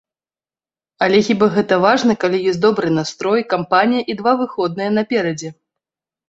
Але хіба гэта важна, калі ёсць добры настрой, кампанія і два выходныя наперадзе?!